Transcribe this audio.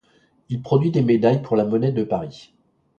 Il produit des médailles pour la Monnaie de Paris.